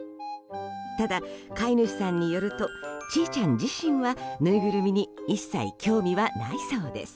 ただ、飼い主さんによるとちーちゃん自身はぬいぐるみに一切興味はないそうです。